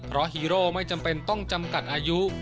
เพราะฮีโร่ไม่จำเป็นต้องจำกัดอายุ